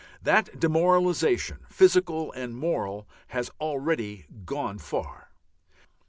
That demoralization, physical and moral, has already gone far.